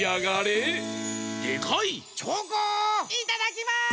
いただきます！